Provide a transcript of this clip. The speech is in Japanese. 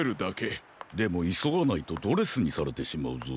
でもいそがないとドレスにされてしまうぞ。